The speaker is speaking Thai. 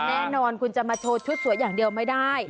แน่นอนคุณจะมาโชว์ชุดสวยอย่างเดียวไม่ได้